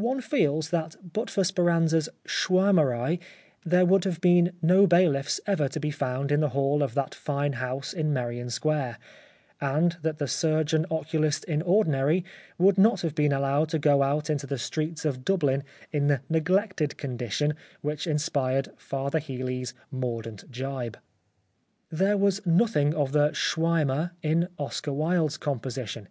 One feels that but for Speranza's Schwaermerei there would have been no bailiffs ever to be found in the hall of the fine house in Merrion Square, and that the Surgeon Oculist in Ordinary would not have been allowed to go out into the streets of Dublin in the neglected condition which inspired Father Healy's mordant jibe. There was nothing of the Schwaermer in Oscar Wilde's composition.